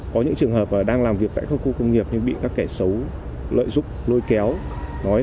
có những trường hợp đang làm việc tại các khu công nghiệp nhưng bị các kẻ xấu lợi dụng lôi kéo